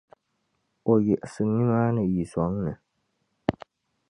o yiɣisi nimaani yi zɔŋ ni.